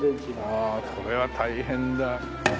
ああこれは大変だ。